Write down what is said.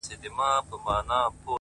خیر حتمي کارونه مه پرېږده. کار باسه.